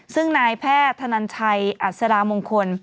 ซึ่งนายแพทย์ธนันชัยอัศรามงคล